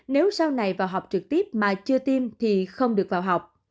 nếu sau này vào học trực tiếp mà chưa tiêm thì không được vào học